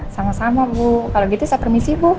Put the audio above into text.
sama sama bu kalau gitu saya permisi bu